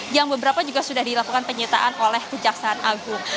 yang beberapa juga sudah dilakukan penyitaan oleh kejaksaan agung